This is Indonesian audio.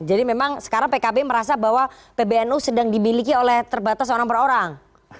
memang sekarang pkb merasa bahwa pbnu sedang dimiliki oleh terbatas orang per orang